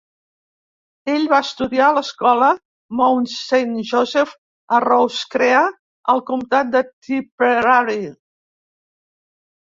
Ell va estudiar a l'escola Mount Saint Joseph a Roscrea, al comtat de Tipperary.